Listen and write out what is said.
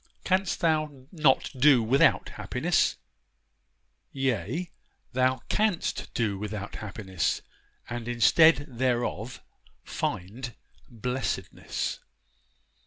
Canst thou not do without happiness? Yea, thou canst do without happiness, and instead thereof find blessedness.